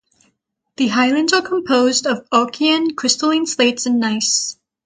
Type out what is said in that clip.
The highlands are composed of Archean crystalline slates and gneisses.